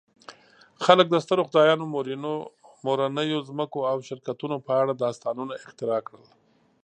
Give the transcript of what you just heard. خلک د سترو خدایانو، مورنیو ځمکو او شرکتونو په اړه داستانونه اختراع کړل.